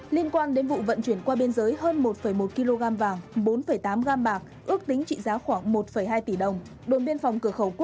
liên quan đến vụ vận chuyển qua biên giới hơn một một kg vàng bốn tám gam bạc ước tính trị giá khoảng một hai tỷ đồng